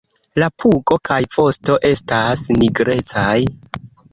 La pugo kaj vosto estas nigrecaj.